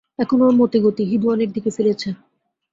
এখন ওঁর মতিগতি হিঁদুয়ানির দিকে ফিরেছে।